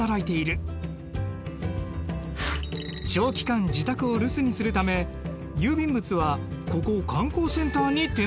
長期間自宅を留守にするため郵便物はここ観光センターに転送。